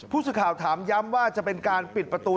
ผู้สื่อข่าวถามย้ำว่าจะเป็นการปิดประตู